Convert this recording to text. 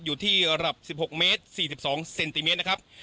อยู่ที่ระดับ๑๖เมตร๔๒เซนติเมตรนะครับ